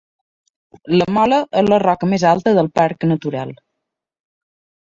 La Mola és la roca més alta del Parc Natural.